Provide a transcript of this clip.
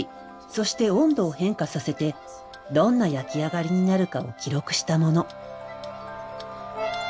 そして温度を変化させてどんな焼き上がりになるかを記録したもの。